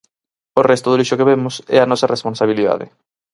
O resto do lixo que vemos é a nosa responsabilidade.